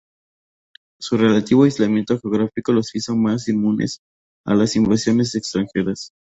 Su relativo aislamiento geográfico los hizo más inmunes a las invasiones extranjeras.